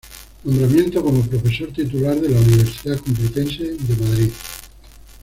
Nombramiento como Profesor Titular de la Universidad Complutense de Madrid.